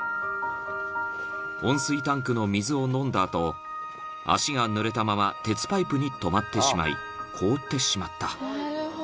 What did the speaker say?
［温水タンクの水を飲んだ後足がぬれたまま鉄パイプに止まってしまい凍ってしまった］